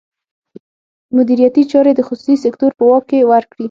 مدیریتي چارې د خصوصي سکتور په واک کې ورکړي.